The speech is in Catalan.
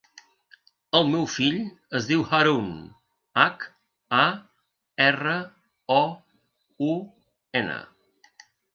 El meu fill es diu Haroun: hac, a, erra, o, u, ena.